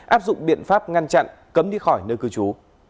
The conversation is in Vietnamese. áp dụng biện pháp ngăn chặn cấm đi khỏi nơi cư trú